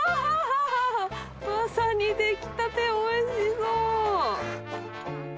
まさに出来立て、おいしそう。